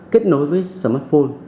kết nối với smartphone